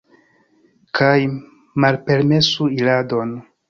Kaj malpermesu iradon.